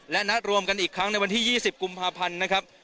และนัดรวมกันอีกครั้งในวันที่๒๐กุมภาพันธ์นะครับ